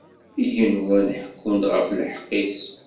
Igenwan ḥekwen-d ɣef lḥeqq-is.